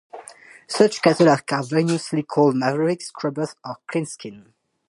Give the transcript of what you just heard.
Such cattle are variously called mavericks, scrubbers or cleanskins.